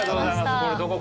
これどこかに。